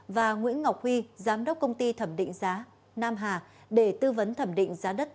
và nguyễn ngọc huy giám đốc công ty thẩm định giá nam hà để tư vấn thẩm định giá đất